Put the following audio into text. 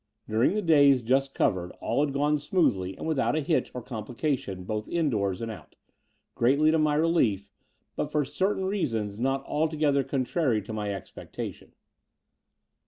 During the days just covered aU had gone smoothly, and without hitch or complication both indoors and out — greatly to my relief, but for certain reasons not altogether contrary to my expectation.